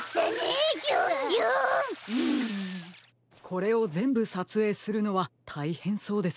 これをぜんぶさつえいするのはたいへんそうですね。